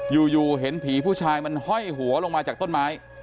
อยู่เห็นผีผู้ชายมันห้อยหัวลงมาจากต้นไม้